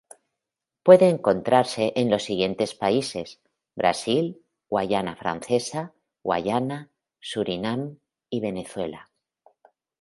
Puede encontrarse en los siguientes países: Brasil, Guayana Francesa, Guayana, Surinam y Venezuela.